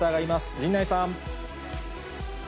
陣内さん。